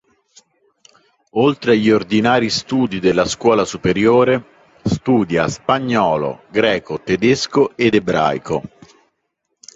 Oltre agli ordinari studi della scuola superiore, studia spagnolo, greco, tedesco ed ebraico.